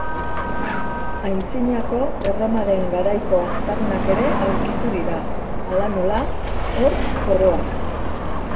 Antzinako Erromaren garaiko aztarnak ere aurkitu dira, hala nola, hortz-koroak.